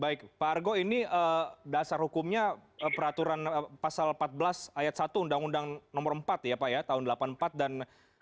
baik pak argo ini dasar hukumnya peraturan pasal empat belas ayat satu undang undang nomor empat ya pak ya tahun seribu sembilan ratus delapan puluh empat dan